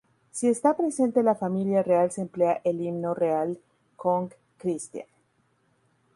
Si está presente la familia real se emplea el himno real "Kong Kristian".